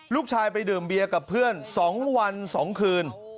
ลูกชายไปดื่มเบียร์กับเพื่อน๒วัน๒คืน